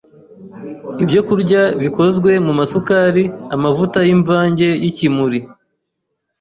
Ibyokurya bikozwe mu masukari, amavuta y’imvange y’ikimuri ,